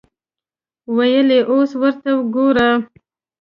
ویل یې اوس ورته ګوره.